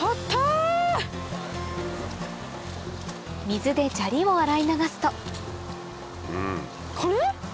水で砂利を洗い流すとこれ？